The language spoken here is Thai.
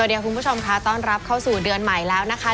คุณผู้ชมค่ะต้อนรับเข้าสู่เดือนใหม่แล้วนะคะ